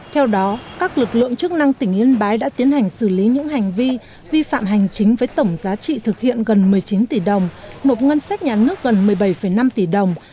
theo đó các lực lượng chức năng tỉnh yên bái đã tiến hành xử lý những hành vi vi phạm hành chính với tổng giá trị thực hiện gần một mươi chín tỷ đồng nộp ngân sách nhà nước gần một mươi bảy năm tỷ đồng